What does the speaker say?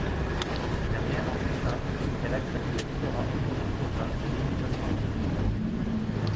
Mais rien n’empêcha qu’elle accepte le doctorat honoris causa de l’Université de Fribourg.